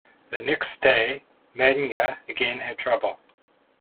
The next day Magne again had trouble.